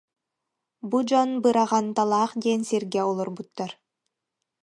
Бу дьон Быраҕанталаах диэн сиргэ олорбуттар